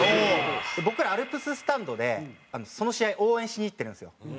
僕らアルプススタンドでその試合応援しに行ってるんですよ。